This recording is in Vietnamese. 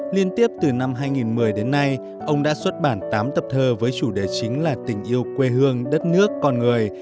liên tiếp từ năm hai nghìn một mươi đến nay ông đã xuất bản tám tập thơ với chủ đề chính là tình yêu quê hương đất nước con người